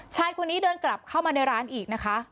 ชายคนนี้เดินกลับเข้ามาในร้านอีกนะคะ